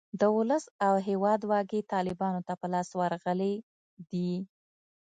د اولس او هیواد واګې طالیبانو ته په لاس ورغلې دي.